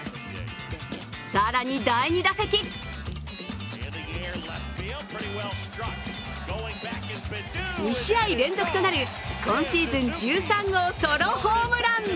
更に第２打席２試合連続となる今シーズン１３号ソロホームラン。